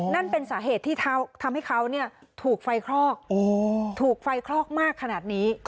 นั่นเป็นสาเหตุที่ทำให้เขาถูกไฟคลอกถูกไฟคลอกมากขนาดนี้